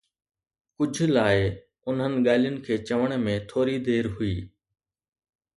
ڪجھ لاءِ، انھن ڳالھين کي چوڻ ۾ ٿوري دير ھئي.